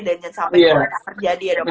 dan sampai boleh tak terjadi ya dok